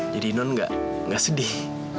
jadi non gak sedih